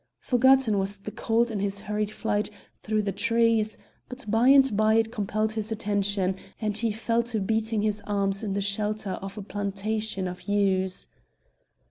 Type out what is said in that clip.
Forgotten was the cold in his hurried flight through the trees; but by and by it compelled his attention, and he fell to beating his arms in the shelter of a plantation of yews.